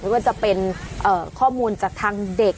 ว่าจะเป็นข้อมูลจากทางเด็ก